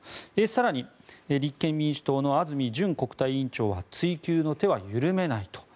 更に、立憲民主党の安住淳国対委員長は追及の手は緩めないと。